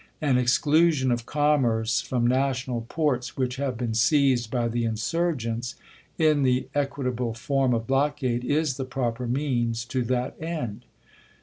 An exclusion of commerce from national ports which have been seized by the insurgents, in the equi table form of blockade, is the proper means to that end.